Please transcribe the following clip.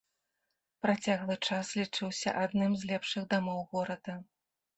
Працяглы час лічыўся адным з лепшых дамоў горада.